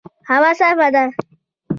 هوا صافه ده